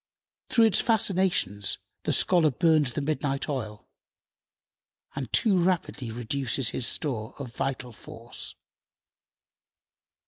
Through its fascinations the scholar burns the midnight oil, and too rapidly reduces his store of vital force.